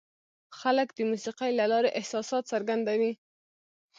خلک د موسیقۍ له لارې احساسات څرګندوي.